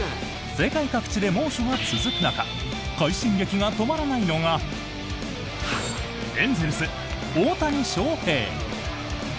世界各地で猛暑が続く中快進撃が止まらないのがエンゼルス、大谷翔平。